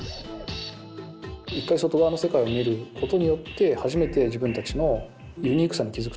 一回外側の世界を見ることによって初めて自分たちのユニークさに気付くというんですかね。